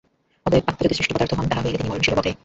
অতএব আত্মা যদি সৃষ্ট পদার্থ হন, তাহা হইলে তিনি মরণশীলও বটে।